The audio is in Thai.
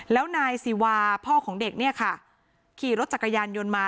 แล้วนายสิวาพ่อของเด็กเนี่ยค่ะขี่รถจักรยานยนต์มา